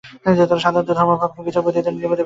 সাধারণত ধর্মভাবকে বিচার-বুদ্ধি দ্বারা নিয়মিত করা উচিত।